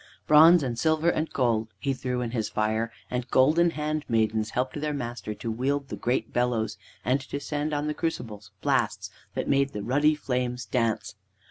Bronze and silver and gold he threw in his fire, and golden handmaidens helped their master to wield the great bellows, and to send on the crucibles blasts that made the ruddy flames dance.